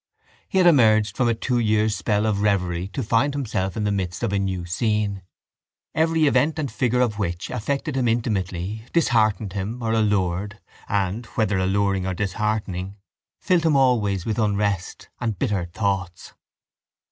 He had emerged from a two years' spell of reverie to find himself in the midst of a new scene, every event and figure of which affected him intimately, disheartened him or allured and, whether alluring or disheartening, filled him always with unrest and bitter thoughts.